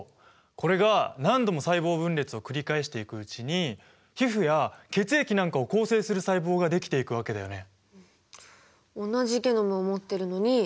これが何度も細胞分裂を繰り返していくうちに皮膚や血液なんかを構成する細胞ができていくわけだよね。